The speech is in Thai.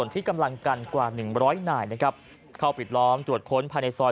ที่กำลังกันกว่าหนึ่งร้อยนายนะครับเข้าปิดล้อมตรวจค้นภายในซอย